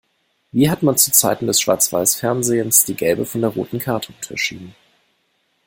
Wie hat man zu Zeiten des Schwarzweißfernsehens die gelbe von der roten Karte unterschieden?